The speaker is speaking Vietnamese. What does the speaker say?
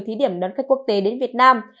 thí điểm đón khách quốc tế đến việt nam